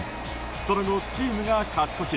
その後、チームが勝ち越し。